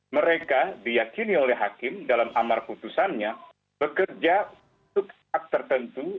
mereka diyakini oleh hakim dalam amar putusannya bekerja untuk hak tertentu